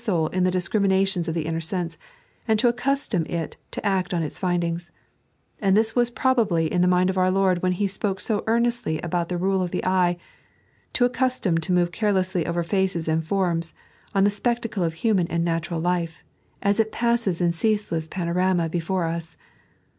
63 soul in the discriminations of the inner sense, and to accustom it to act on its findings ; and this was probably in the mind of our Lord when He spoke so earnestly about the rule of the eye, too accustomed to move carelessly over faces and forms, on the spectacle of human and natural life, as it passes iu ceaseless panorama before as.